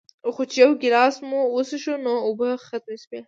خو چې يو يو ګلاس مو وڅښو نو اوبۀ ختمې شوې